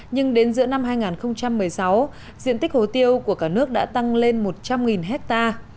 năm hai nghìn một mươi sáu diện tích hồ tiêu của cả nước đã tăng lên một trăm linh ha